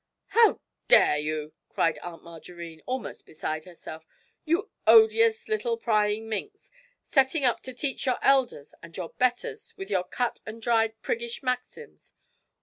'How dare you!' cried Aunt Margarine, almost beside herself, 'you odious little prying minx, setting up to teach your elders and your betters with your cut and dried priggish maxims!